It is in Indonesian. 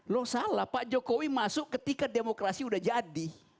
lo salah pak jokowi masuk ketika demokrasi udah jadi